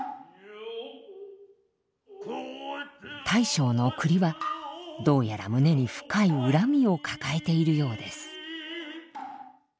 大将の栗はどうやら胸に深い恨みを抱えているようです。